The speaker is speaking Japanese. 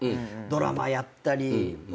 ドラマやったりお笑い。